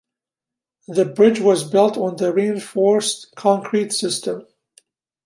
The bridge was built on the Reinforced Concrete system.